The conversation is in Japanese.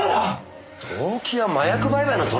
動機は麻薬売買のトラブルかよ！